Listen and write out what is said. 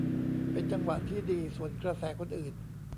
เป็นจังหวะที่ดีสวนกระแสคนอื่น